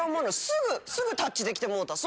すぐタッチできてもうた。